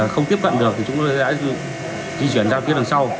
không tiếp cận được thì chúng tôi sẽ di chuyển ra phía đằng sau